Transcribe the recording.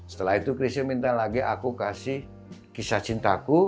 setelah itu christie minta lagi aku kasih kisah cintaku